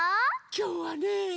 きょうはね。